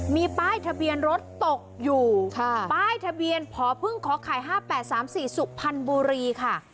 มีป้ายทะเบียนรถตกอยู่ค่ะป้ายทะเบียนพอเพิ่งขอข่ายห้าแปดสามสี่สุขพันบุรีค่ะ